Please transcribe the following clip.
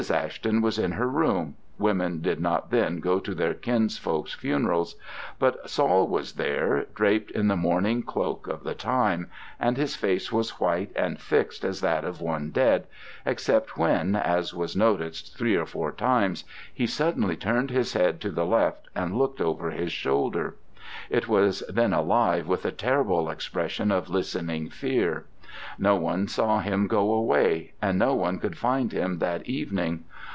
Ashton was in her room women did not then go to their kinsfolk's funerals but Saul was there, draped in the mourning cloak of the time, and his face was white and fixed as that of one dead, except when, as was noticed three or four times, he suddenly turned his head to the left and looked over his shoulder. It was then alive with a terrible expression of listening fear. No one saw him go away: and no one could find him that evening.